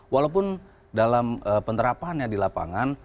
walaupun dalam penerapannya di lapangan